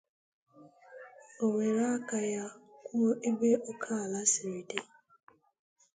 o were aka ya kwuo ebe ókè ala siri dị.